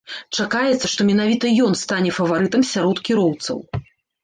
Чакаецца, што менавіта ён стане фаварытам сярод кіроўцаў.